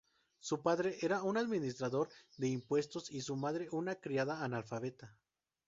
Su padre era un administrador de impuestos y su madre una criada analfabeta.